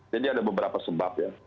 jadi ada beberapa sebab ya